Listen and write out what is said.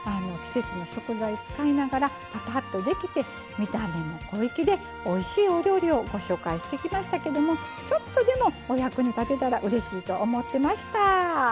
季節の食材使いながらパパッとできて見た目も小粋でおいしいお料理をご紹介してきましたけどもちょっとでもお役に立てたらうれしいと思ってました。